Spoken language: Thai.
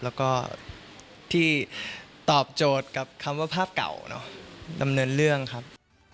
แล้วก็ที่ตอบโจทย์กับคำว่าภาพเก่าเนอะดำเนินเรื่องครับ